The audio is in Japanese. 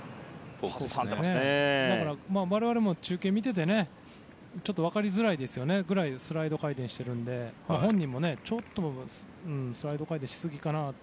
我々も中継を見ててちょっと分かりづらいぐらいスライド回転しているので本人もちょっとスライド回転しすぎかなと。